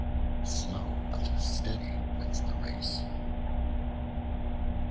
Slow but steady wins the race.